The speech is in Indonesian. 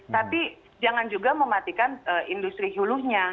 tapi jangan juga mematikan industri hulunya